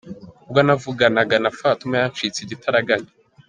Ubwo navuganaga na Fatuma, yancitse igitaraganya.